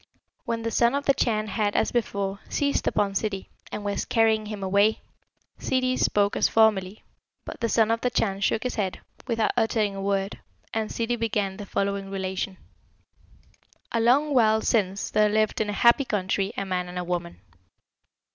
When the Son of the Chan had, as before, seized upon Ssidi, and was carrying him away, Ssidi spoke as formerly, but the Son of the Chan shook his head, without uttering a word, and Ssidi began the following relation: "A long while since there lived in a happy country a man and a woman.